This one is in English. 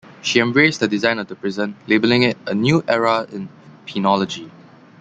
She embraced the design of the prison, labeling it "a new era in penology".